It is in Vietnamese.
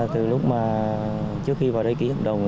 từ lúc mà trước khi vào đây ký hợp đồng